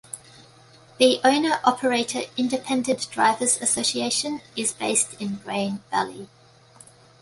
The Owner-Operator Independent Drivers Association is based in Grain Valley.